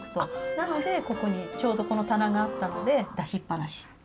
なのでここにちょうどこの棚があったので出しっ放し。